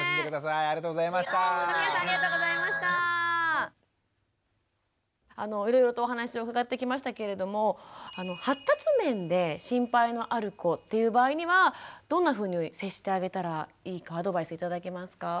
いろいろとお話を伺ってきましたけれども発達面で心配のある子っていう場合にはどんなふうに接してあげたらいいかアドバイス頂けますか。